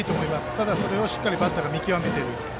ただ、それをしっかりバッターが見極めている。